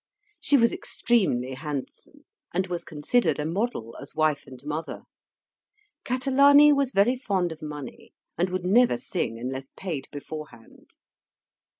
She was extremely handsome, and was considered a model as wife and mother. Catalani was very fond of money, and would never sing unless paid beforehand.